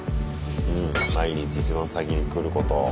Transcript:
うん毎日一番先に来ることを。